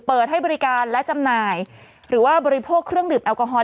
เปิดให้บริการและจำหน่ายหรือว่าบริโภคเครื่องดื่มแอลกอฮอล